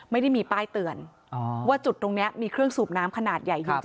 ไม่ได้มีป้ายเตือนว่าจุดตรงนี้มีเครื่องสูบน้ำขนาดใหญ่อยู่จริง